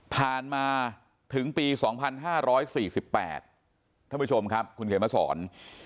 ผ่านมาถึงปี๒๕๔๘ท่านผู้ชมครับคุณเขมสอน